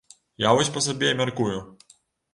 Я вось па сабе мяркую.